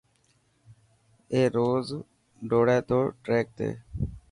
اي روز ڊوڙي تو ٽريڪ تي .